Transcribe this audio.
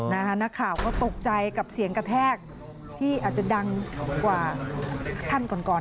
นักข่าวก็ตกใจกับเสียงกระแทกที่อาจจะดังกว่าท่านก่อนก่อน